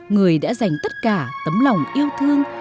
người đã dành tất cả tấm lòng yêu thương